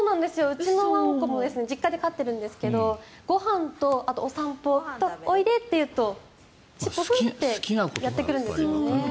うちのわんこも実家で飼っているんですがご飯だよとかお散歩だよおいで！と言うと尻尾振ってやってくるんですよね。